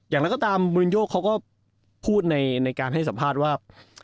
อย่างนั้นก็ตามมูลินโยเขาก็พูดในการให้สัมภาษณ์ว่า